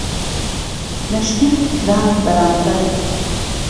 لهشکر کران بەرامبەر